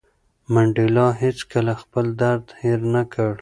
منډېلا هېڅکله خپل درد هېر نه کړ.